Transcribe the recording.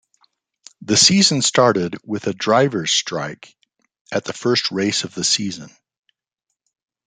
The season started with a drivers' strike at the first race of the season.